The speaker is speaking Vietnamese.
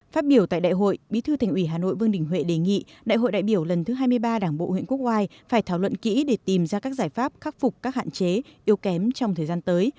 phát biểu tại đại hội bí thư thành ủy hà nội vương đình huệ đề nghị đại hội đại biểu lần thứ hai mươi ba đảng bộ huyện quốc oai phải thảo luận kỹ để tìm ra các giải pháp khắc phục các hạn chế yếu kém trong thời gian tới